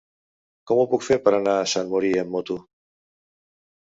Com ho puc fer per anar a Sant Mori amb moto?